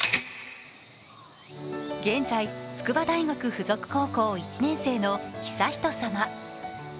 現在、筑波大学附属高校１年生の悠仁さま。